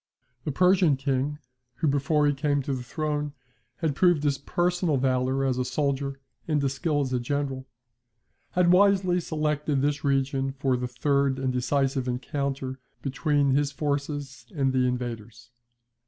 The Persian King (who before he came to the throne, had proved his personal valour as a soldier, and his skill as a general) had wisely selected this region for the third and decisive encounter between his forces and the invaders.